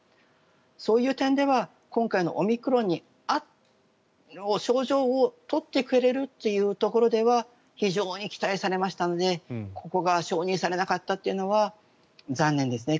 そういう点では今回のオミクロンの症状を取ってくれるというところでは非常に期待されましたのでここが承認されなかったというのは残念ですね。